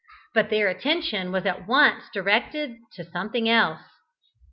But their attention was at once directed to something else.